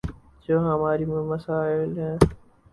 جو ہمارے مسائل ہیں۔